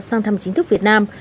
sang thăm chính thức việt nam